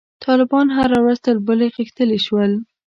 طالبان هره ورځ تر بلې غښتلي شول.